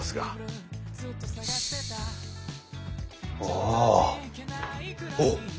ああおう。